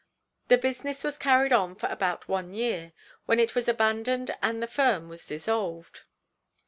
The business was carried on for about one year, when it was abandoned and the firm was dissolved.